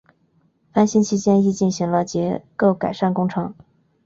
翻新期间亦进行了结构改善工程。